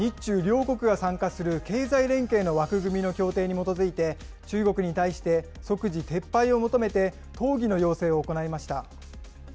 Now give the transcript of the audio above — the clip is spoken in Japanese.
政府は日中両国が参加する経済連携の枠組みの協定に基づいて、中国に対して即時撤廃を求めて討議の要請を行いました。